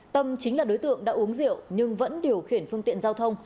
tâm chính là đối tượng đã uống rượu nhưng vẫn điều khiển phương tiện giao thông